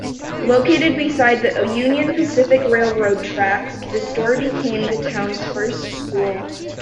Located beside the Union Pacific Railroad tracks, the store became the town's first school.